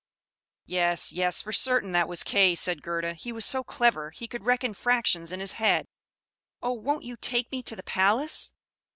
"Yes, yes; for certain that was Kay," said Gerda. "He was so clever; he could reckon fractions in his head. Oh, won't you take me to the palace?"